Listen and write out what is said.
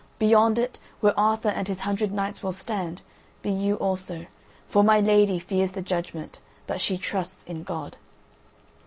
Beyond it, where Arthur and his hundred knights will stand, be you also; for my lady fears the judgment, but she trusts in God."